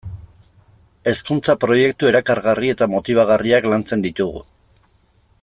Hezkuntza-proiektu erakargarri eta motibagarriak lantzen ditugu.